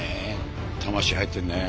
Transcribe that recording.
魂入ってるね。